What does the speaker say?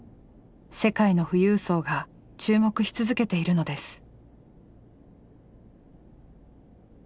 世界の富裕層が注目し続けているのです。